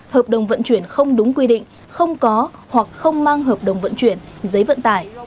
hợp đồng vận chuyển không đúng quy định không có hoặc không mang hợp đồng vận chuyển giấy vận tải